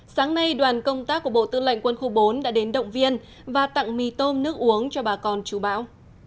sáng nay đoàn công tác của bộ tư lệnh quân khu bốn đã đến động viên và tặng mì tôm nước uống cho bà con chú bão